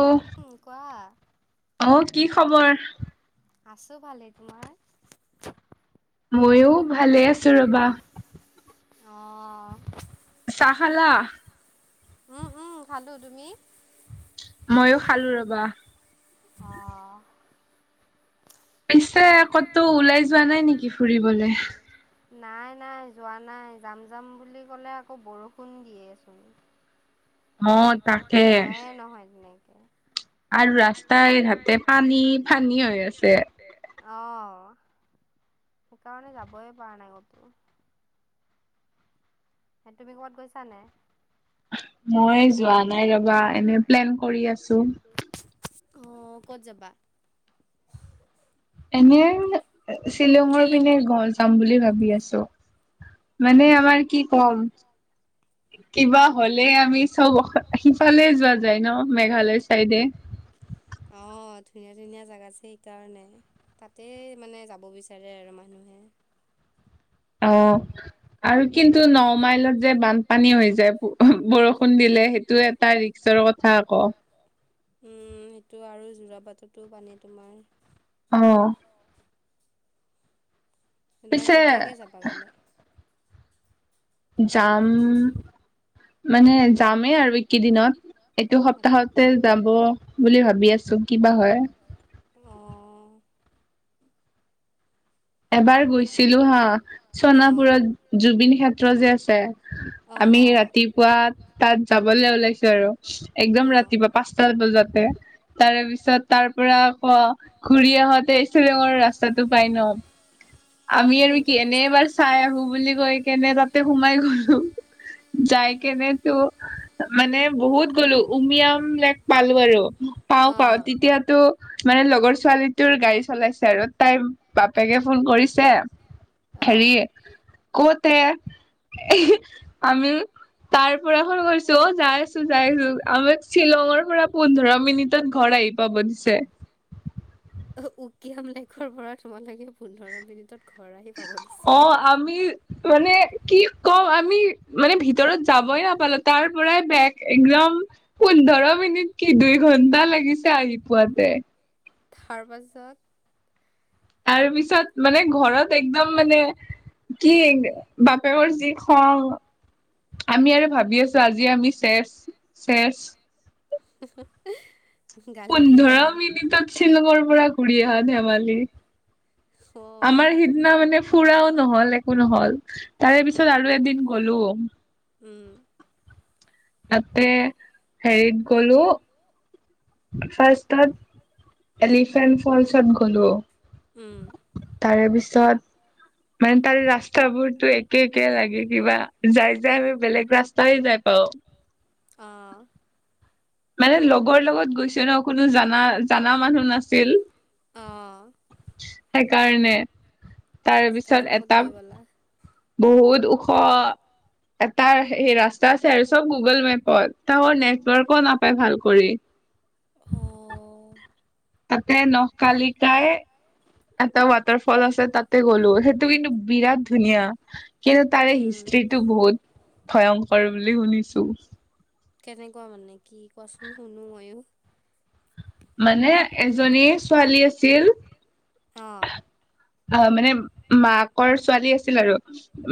অ আহ কি খবৰ? আছো ভালেই তোমাৰ? মইয়ো ভালে আছো ৰবা। অ চাহ খালা? উম উম খালো। তুমি? মইও খালো ৰবা। অহ এনেকে কতো ওলাই যোৱা নাই নেকি ফুৰিবলে? নাই নাই যোৱা নাই। যাম যাম বুলি ক'লে আকৌ বৰষুণ দিয়েচোন। যোৱাই নহয় তেনেকে। আৰু ৰাস্তাই ঘাতে পানী পানী হৈ আছে। অ সেইকাৰণে যাবই পৰা নাই কতো। সে তুমি ক'ৰবাত গৈছা নে? মই যোৱা নাই ৰবা এনে প্লেন কৰি আছো। অহ ক'ত যাবা? এনে শ্বিলঙৰ পিনে ঘৰ যাম বুলি ভাবি আছো। মানে আমাৰ কি ক'ম? কিবা হ'লে আমি চব সিফালে যোৱা যায় ন মেঘালয় চাইডে। [inaudible] অ ধুনীয়া ধুনীয়া জাগা আছে সেইকাৰণে। তাতে মানে যাব বিচাৰে আৰু মানুহে। অ। আৰু কিন্তু ন মাইলত যে বানপানী হৈ যায় বৰষুণ দিলে। সেইটো এটা ৰিক্সৰ কথ ৰিক্সৰ কথা আক'। উম সেইটো আৰু যোৰাবাটতো পানী তোমাৰ। অ। [unintelligible] কেতিয়াকৈ যাবা গ'লে? যাম মানে যামেই আৰু এইকিদিনত। এইটো সপ্তাহতে যাব বুলি ভাবি আছো কি'বা হয়। অ। এবাৰ গৈছিলো হা চণাপুৰত জুবিন ক্ষেত্ৰ যে আছে আমি ৰাতিপুৱা তাত যাবলে ওলাইছো আৰু, একদম ৰাতিপুৱা পাঁচটা বজাতে। তাৰে পিছত তাৰ পৰা আকৌ ঘূৰি আহোতে এই শ্বিলঙৰ ৰাস্তাটো পাই ন। আমি আৰু কি এনে এবাৰ চাই আহো বুলি কৈ কেনে তাতে সোমাই গ'লো। যাই কেনে তো মানে বহুত গ'লো উমিয়াম লেক পালো আৰু পাওঁ পাওঁ। তেতিয়াটো মানে লগৰ ছোৱালীটোৰ গাড়ী চলাইছে আৰু। তাই বাপেকে ফন কৰিছে হেৰি ক'তে এ হে আমি তাৰ পৰা ফান কৰচো যাই আছো যাই আছো। আমি শ্বিলঙৰ পৰা পোন্ধৰ মিনিটত ঘৰ আহি পাব দিছে। উকিয়াম লেকৰ পৰা তোমালোকে পোন্ধৰ মিনিটত ঘৰ আহি পাব দিছে। অ। মানে কি ক'ম আমি। মানে ভিতৰত যাবই নাপালো তাৰ পৰাই বেক। একদম পোন্ধৰ মিনিট কি দুই ঘন্টা লাগিছে আহি পোৱাতে। তাৰ পাছত? তাৰপিছত মানে ঘৰত একদম মানে কি বাপেৰৰ যি খং। আমি আৰু ভাবি আছো আজি আমি চেছ, চেছ। [unintelligible] পোন্ধৰ মিনিটত শ্বিলঙৰ পৰা ঘূৰি আহা ধেমালি? আমাৰ সিদনা মানে ফুৰাও নহ'ল, একো নহ'ল। তাৰে পিছত আৰু এদিন গ'লো। উম। তাতে হেৰিত গলো ফাৰ্ষ্টত এলিফেন্ট ফলচত গ'লো। উম। তাৰে পিছত মানে তাৰে ৰাস্তাবোৰতো একে একে লাগে কিবা। যাই যাই আমি বেলেগ ৰাস্তাই যাই পাওঁ। অ। মানে লগৰ লগত গৈছো ন। কোনো জানা জানা মানুহ নাছিল। সেইকাৰণে তাৰ পিছত এটা বহুত ওখ এটা সেই ৰাস্তা আছে আৰু চব গুগল মেপত, তাকো নেটৱৰ্কো নাপায় ভাল কৰি। অ। তাতে নখকালিকাই এটা ৱাটাৰ ফল আছে তাতে গ'লো সেইটো কিন্তু বিৰাট ধুনীয়া। কিন্তু তাৰে হিষ্ট্ৰিটো বহুত ভয়ংকৰ বুলি শুনিছো। কেনেকোৱা মানে কি কোৱাচোন শুনো ময়ো। মানে এজনী ছোৱালী আছিল, অ, মানে মাকৰ ছোৱালী আছিল আৰু।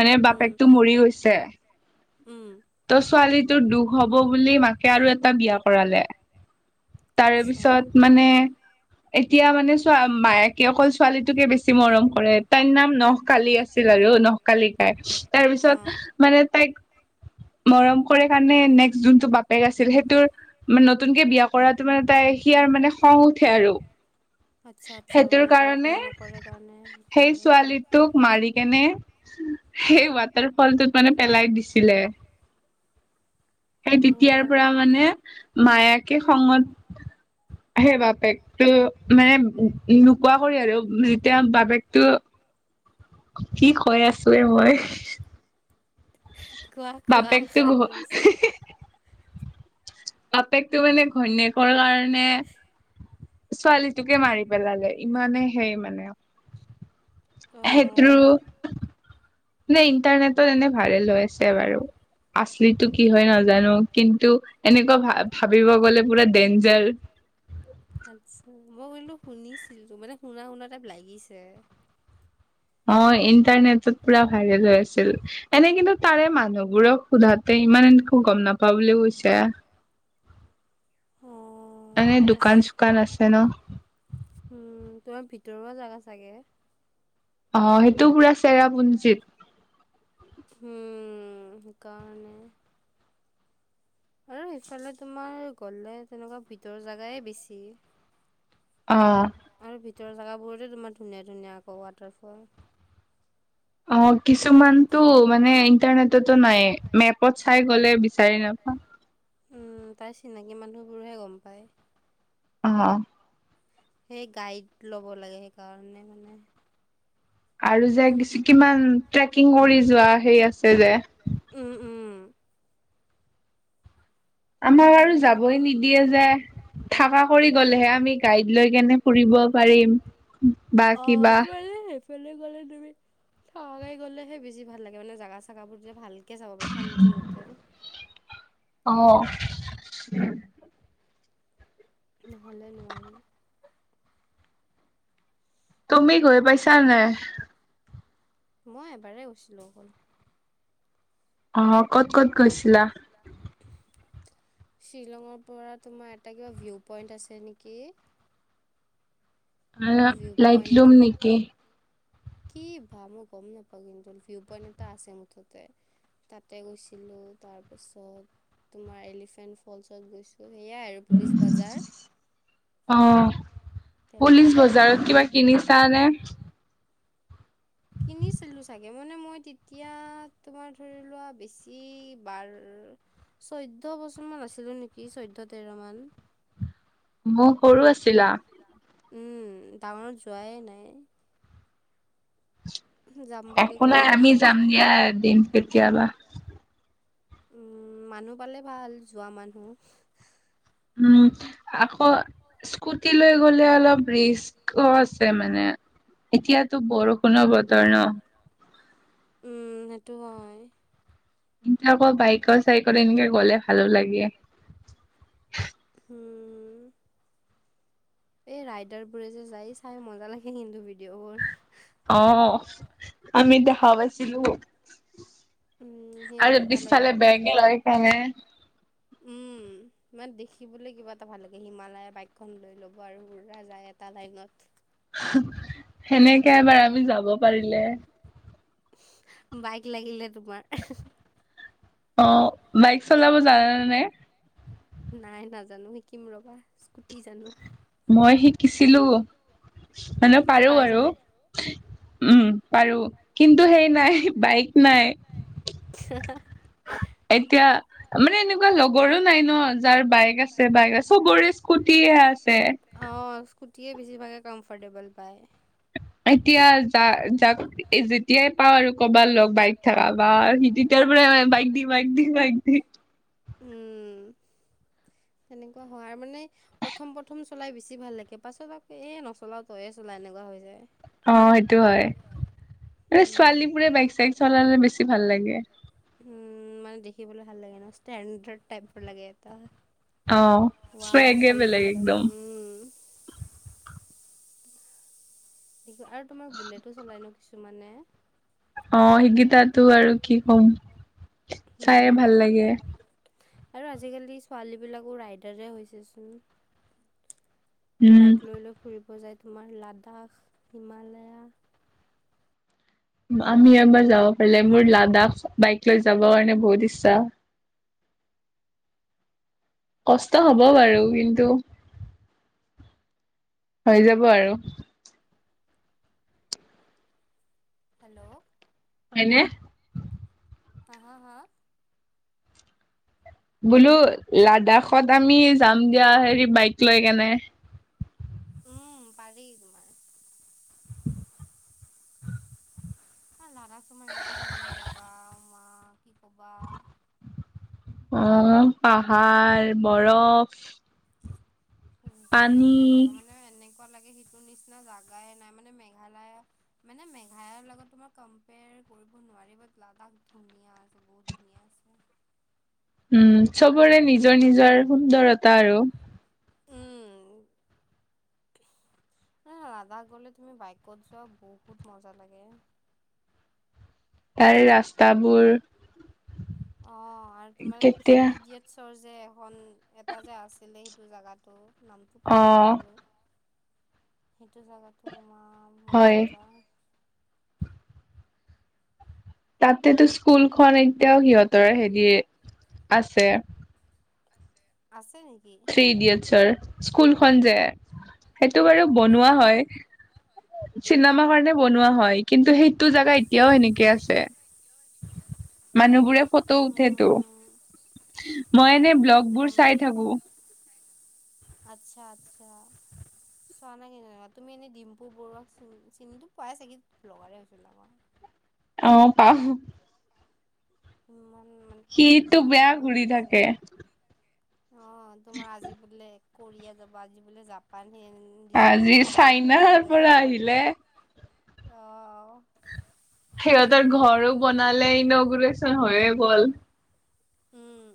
মানে বাপেকটো মৰি গৈছে। ত ছোৱালীটো দুখ হব বুলি মাকে আৰু এটা বিয়া কৰালে। তাৰে পিছত মানে এতিয়া মানে চোৱা মাইকে অকল ছোৱালীটোকে বেছি মৰম কৰে তাইৰ নাম নহ কালি আছি। আছিল আৰু নহকালিকাই তাৰপিছত মানে তাইক মৰম কৰে কাৰণে নেক্স যোনটো বাপেক আছিল, সেইটোৰ মানে নতুনকে বিয়া কৰাটো মানে তাই সিয়াৰ মানে খং উঠে আৰু। আচ্ছা-আচ্ছা মানে তাক সেই নকৰে কাৰণে সেইটো আৰু। তোক মাৰি কেনে সেই ৱাটাৰ ফলটোত মানে পেলাই দিছিলে। সেই তেতিয়াৰ পৰা মানে মায়েকে খঙত সেই বাপেক টো মানে নোকোৱা কৰি আৰু যেতিয়া বাপেকটো কি কৈ আছোৱে মই। কোৱা-কোৱা শুনি আছো। বাপেকতো মানে ঘৈণীয়েকৰ কাৰণে ছোৱালীটোকে মাৰি পেলালে ইমানেই হেই মানে। সেইটো নে ইণ্টাৰনেটত এনে ভাইৰেল হৈ আছে বাৰু। আচলিতো কি হয় নাজানো কিন্তু এনেকোৱা ভা ভাবিব গলে পুৰা ডেঞ্জাৰ। আচ্ছা, মই শুনলো শুনিছিলো মানে শুনা-শুনা টাইপ লাগিছে। অ, ইণ্টাৰনেটত পুৰা ভাইৰেল হৈ আছিল। এনে কিন্তু তাৰে মানুহবোৰক সোধাতে ইমান এনেকো গম নাপাওঁ বুলি কৈছে। এনে দোকান চোকান আছে ন। উম, তোমাৰ ভিতৰুৱা জাগা চাগে? অ, সেইটো পুৰা চেৰা পুঞ্জিত। উম, সেকাৰণে। আৰু ইফালে তোমাৰ গ'লে তেনেকোৱা ভিতৰ জেগাই বেছি। অ', আৰু ভিতৰৰ জেগাবোৰতে তোমাৰ ধুনীয়া-ধুনীয়া আকৌ ৱাটাৰফল। অ', অ, কিছুমানটো মানে ইণ্টাৰনেটতো নাই, মেপত চাই গ'লে বিচাৰি নাপাওঁ। উম, তাই চিনাকী মানুহবোৰহে গম পায়। অ', অ', সেই গাইড ল'ব লাগে সেইকাৰণে মানে। আৰু যে কিছু কিমান ট্ৰেকিং কৰি যোৱা সেই আছে যে। উম, উম, আমাৰ আৰু যাবই নিদিয়ে যে। থাকা কৰি গ'লেহে আমি গাইড লৈ কিনে ফুৰিব পাৰিম বা কিবা। গ'লে-গ'লে তুমি থাকা কৰি গ'লেহে বেছি ভাল লাগে মানে, জাগা চাগাবোৰ যে ভাল। একে যাব পাৰি শান্তি মতে। অহ, নহ'লে নোৱাৰি। তুমি গৈ পাইছা নাই? মই এবাৰেই গৈছিলোঁ অকল। অ, ক'ত-ক'ত গৈছিলা? শ্বিলঙৰ পৰা তোমাৰ এটা কিবা ভিউ পইণ্ট আছে নেকি? অ লাইট লোম নেকি? কি ভা মই গম নাপাওঁ কিন্তু ভিউ পইণ্ট এটা আছে মুঠতে। তাতে গৈছিলোঁ তাৰপিছত তোমাৰ এলিফেণ্ট ফলচত গৈছো। সেয়াই আৰু পুলিচ বজাৰ। অ পুলিচ বজাৰত কিবা কিনিছা নে? কিনিছিলোঁ চাগে মানে মই তেতিয়া তোমাৰ ধৰি লোৱা বেছি বাৰ - চৈধ্য বছৰমান আছিলো নেকি চৈধ্য তেৰ মান। [unintelligible] সৰু আছিলা উম ডাঙৰত যোৱাই নাই। যাম বুলি কৈ আকো নাযায়। উম মানুহ পালে ভাল যোৱা মানুহ। উম আ কৌ স্কুটি লৈ গ'লে অলপ ৰিস্ক আছে মানে। এতিয়াতো বৰষুণৰ বতৰ ন। উম সেইটো হয়। এতিয়া আকৌ বাইকৰ চাইকৰ এনেকে গলে ভালো লাগে। হোম এই ৰাইডাৰ বোৰে যে যায় চাই মজা লাগে কিন্তু ভিডিঅ' বোৰ অ আমি দেখা পাইছিলো। আৰু পিছফালে বেগলৈ কেনে। ইমান দেখিবলৈ কিবা এটা ভাল লাগে হিমালয়া বাইকখন লৈ ল'ব আৰু পুৰা যায় এটা লাইনত। সেনেকে এবাৰ আমি যাব পাৰিলে? বাইক লাগিলে তোমাৰ। অ বাইক চলাব জানা নে? নাই নাজানো শিকিম ৰবা স্কুটি জানো মই শিকিছিলো মানে পাৰো আৰু উম পাৰো কিন্তু সেই নাই বাইক নাই [unintelligible] এতিয়া মানে এনেকুৱা লগৰো নাই ন যাৰ বাইক আছে বাইক আছে চবৰে - স্কুটি হে আছে। অ স্কুটিয়ে বেছিভাগে কম্ফৰ্টেবল পায়। এতিয়া য যাক যেতিয়াই পাওঁ আৰু কৰবাত লগ বাইক থকা বা সিদি - তাৰ পৰা বাইক দি বাইক দি বাইক দি- উম তেনেকুৱা হোৱাৰ মানে- প্ৰথম প্ৰথম চলাই বেছি ভাল লাগে পাছত আকৌ এ নচলাও তয়ে চলা এনেকুৱা হৈ যায় অ সেইটো হয় মানে ছোৱালী বোৰে বাইক চাইক চলালে বেছি ভাল লাগে উম মানে দেখিবলৈ ভাল লাগে ন ষ্টেণ্ডাৰ্ড টাইপৰ লাগে এটা ওৱাও ছোৱালী এজনীয়ে পাৰিলে উম দেখিবা আৰু তোমাৰ বুলেটো চলাই ন কিছুমানে অ সেইকিতাতো আৰু কি ক'ম উম চাইয়ে ভাল লাগে আৰু আজিকালি ছোৱালী বিলাকো ৰাইডাৰে হৈছেচোন বাইক লৈ লৈ ফুৰিব যায় তোমাৰ লাডাখ হিমালায়া আমি এবাৰ যাব পাৰিলে মোৰ লাডাখ বাইক লৈ যাবৰ কাৰণে বহুত ইচ্ছা কষ্ট হব বাৰু কিন্তু হৈ যাব আৰু হেল্ল' হয়নে হা হা হা বোলো লাডাখত আমি যাম দিয়া হেৰি বাইক লৈ কেনে উম, পাৰি তোমাৰ। উ [unintelligible] অ, লাডাখ তোমাৰ ইমান ধুনীয়া জাগা উমা কি ক'বা। অ, পাহাৰ বৰফ। বহুত ধুনীয়া জেগা মানে এনেকুৱা লাগে সিটোৰ নিচিনা জাগাই নাই। মানে মেঘালায়া মানে মেঘালয়ৰ লগত তোমাৰ কম্পেয়াৰ কৰিব নোৱাৰি বাত লাডাখ ধুনীয়া আছে, বহুত ধুনীয়া আছে। উম, চবৰে নিজৰ-নিজৰ সুন্দৰতা আৰু। উম, এই লাডাখ গলে তুমি বাইকত যোৱা বহুত মজা লাগে তাৰে ৰাস্তাবোৰ, অ, আৰু তোমাৰ থ্ৰী ইডিয়েটছৰ যে এখন এটা যে আছিলে সেইটো জোগাটো নামটো পাহৰিলো বাৰু। সেইটো জাগাতো উমা বৰ মজা। তাতেতো স্কুলখন এতিয়াও সিহঁতৰ হেৰি আছে। আছে নেকি? থ্ৰী ইডিয়েটছৰ স্কুলখন যে সেইটো বাৰু বনোৱা হয়। চিনেমাৰ কাৰণে বনোৱা হয় কিন্তু সেইটো জাগা এতিয়াও সেনেকে আছে। মানুহবোৰে ফটো উঠেতো। মই এনে ব্লগ বোৰ চাই থাকো। আচ্ছা-আচ্ছা, চোৱা নাই কি না তুমি এনেই ডিম্পু বৰুৱাক চিনিটো পোৱাই চাগে ব্লগাৰে হৈ ডাঙৰ। অ, পাও। ইমান মানে সি ইমান জেগা ঘুৰিছে। অ, তোমাৰ আজি বোলে কৰিয়া যাবা আজি বোলে জাপান সি ৰিচেন্টলি চাইনা গৈ আহিলে। অ', সিহঁতৰ ঘৰো বনালে ইনগ্ৰেচন হৈয়ে গ'ল। উম,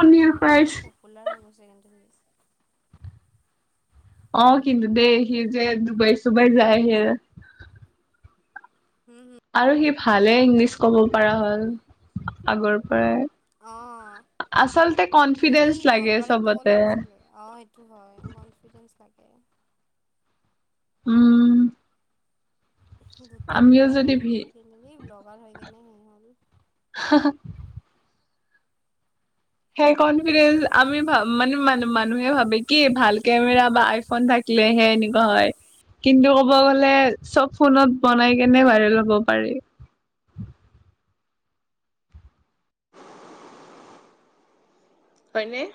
পিা [unintelligible] বম পপুলাৰ হৈ গৈছে কিন্তু সি। অ, কিন্তু দেই সি যে দুুবাই চুবাই যায় সি। উম, উম, আৰু সি ভালে ইংলিছ ক'ব পৰা হ'ল আগৰ পৰাই। আচলতে কনফিডেন্ঞ্চ লাগে চবতে। অ' সেইটো হয় কনফিডেন্ঞ্চ লাগে। উম, দুটা তিনিটাকৈ মোবাইল কিনিলি ব্লগাৰ হৈ কেনে সেই হ'ল। হ [unintelligible] সেই কনফিডেন্স আমি ভাব মানে, মানু-মানুহে ভাবে কি ভাল কেমেৰা বা আইফোন থাকিলেহে এনেকুৱা হয়। কিন্তু ক'ব গ'লে চব ফোনত বনাই কেনে ভাইৰেল হব পাৰি। হয়নে?